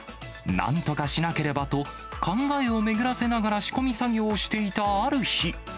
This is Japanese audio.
なんとかしなければと、考えを巡らせながら仕込み作業をしていたある日。